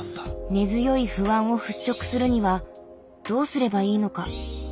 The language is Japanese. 根強い不安を払しょくするにはどうすればいいのか？